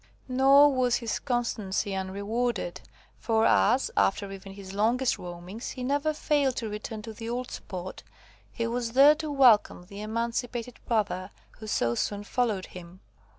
Nor was his constancy unrewarded, for as, after even his longest roamings, he never failed to return to the old spot, he was there to welcome the emancipated brother, who so soon followed him.